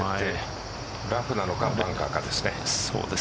ラフなのかバンカーかですね。